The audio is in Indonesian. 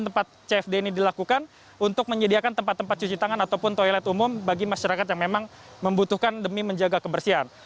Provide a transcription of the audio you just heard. dan tempat cfd ini dilakukan untuk menyediakan tempat tempat cuci tangan ataupun toilet umum bagi masyarakat yang memang membutuhkan demi menjaga kebersihan